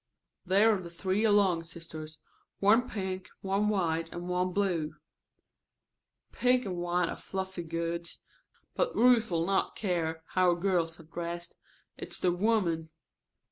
"There are the three Long sisters, one pink, one white, and one blue. Pink and white are fluffy goods. But Ruth'll not care how girls are dressed. It's the women."